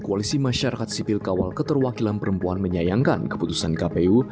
koalisi masyarakat sipil kawal keterwakilan perempuan menyayangkan keputusan kpu